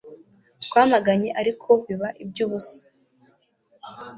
Twamaganye ariko biba ibyubusa